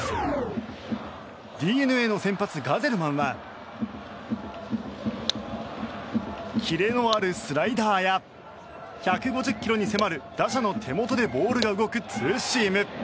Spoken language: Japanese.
ＤｅＮＡの先発、ガゼルマンはキレのあるスライダーや１５０キロに迫る打者の手元でボールが動くツーシーム。